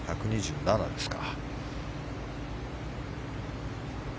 １２７ですか。